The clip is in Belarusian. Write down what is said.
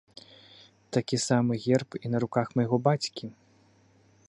Такі самы герб і на руках майго бацькі.